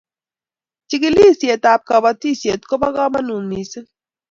chikilishiet ab kabashiet kobo kamangut mising